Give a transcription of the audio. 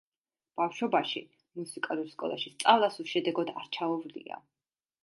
ბავშვობაში, მუსიკალურ სკოლაში სწავლას უშედეგოდ არ ჩაუვლია.